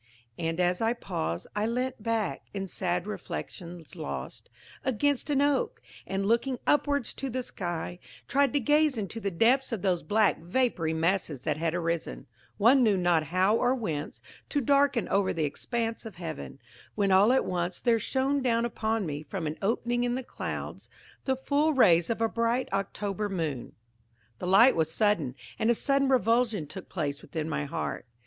And as I paused, I leant back, in sad reflections lost, against an oak, and, looking upwards to the sky, tried to gaze into the depths of those black vapoury masses that had arisen, one knew not how or whence, to darken over the expanse of heaven; when, all at once there shone down upon me, from an opening in the clouds, the full rays of a bright October moon. The light was sudden, and a sudden revulsion took place within my heart.